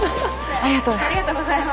ありがとうございます。